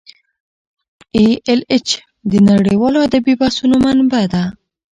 ای ایل ایچ د نړیوالو ادبي بحثونو منبع ده.